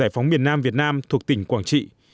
phóng miền nam việt nam thuộc tỉnh quảng trị